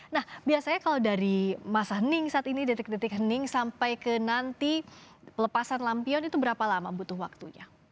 nah biasanya kalau dari masa ning saat ini detik detik hening sampai ke nanti pelepasan lampion itu berapa lama butuh waktunya